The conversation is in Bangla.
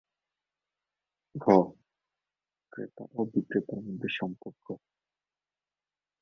ঘ. ক্রেতা ও বিক্রেতার মধ্যে সম্পর্ক